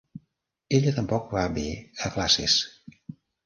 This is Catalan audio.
Ella tampoc va bé a classes.